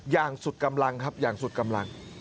อย่างสุดกำลังครับอย่างสุดกำลัง